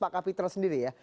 pak kapitra sendiri ya